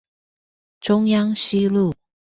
中央西路